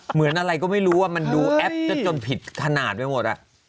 เหมือนอะไรก็ไม่รู้ว่ามันดูแอปจนผิดขนาดไปหมด